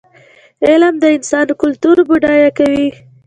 علم د انسان کلتور بډای کوي.